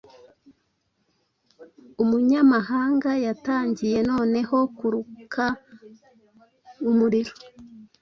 Umunyamahanga yatangiye noneho kuruka umuriro